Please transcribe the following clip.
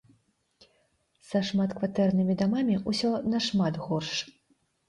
Са шматкватэрнымі дамамі ўсё нашмат горш.